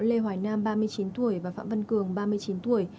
lê hoài nam ba mươi chín tuổi và phạm văn cường ba mươi chín tuổi